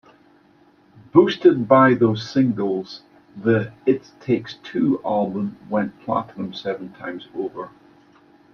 Boosted by those singles the "It Takes Two" album went platinum seven times over.